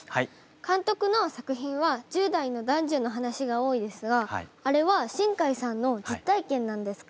監督の作品は１０代の男女の話が多いですがあれは新海さんの実体験なんですか？